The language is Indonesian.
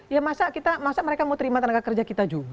ya masa mereka mau terima tenaga kerja kita juga